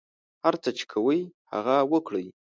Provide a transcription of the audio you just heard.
هر څه چې کوئ هغه وکړئ.